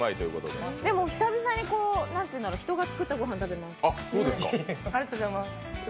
でも久々に人が作ったごはん食べます。